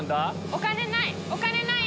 お金ない！